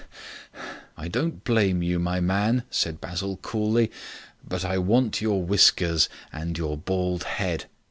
"I don't blame you, my man," said Basil coolly. "But I want your whiskers. And your bald head.